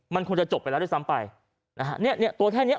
มันคงจะจบไปแล้วด้วยซ้ำไปนะฮะเนี้ยเนี้ยตัวแค่เนี้ย